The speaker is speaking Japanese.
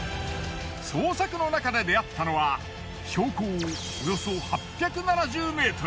捜索の中で出会ったのは標高およそ８７０ｍ。